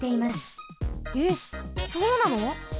えっそうなの？